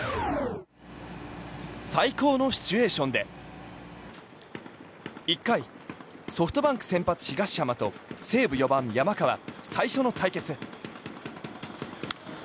最高のシチュエーションで１回、ソフトバンク先発、東浜と西武４番、山川最初の対決。